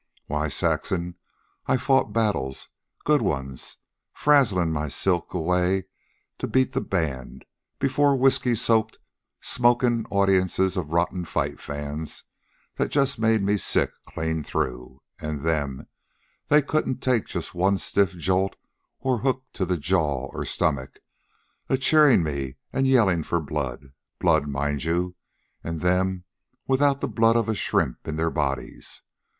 "Why, Saxon, I've fought battles, good ones, frazzlin' my silk away to beat the band before whisky soaked, smokin' audiences of rotten fight fans, that just made me sick clean through. An' them, that couldn't take just one stiff jolt or hook to jaw or stomach, a cheerin' me an' yellin' for blood. Blood, mind you! An' them without the blood of a shrimp in their bodies.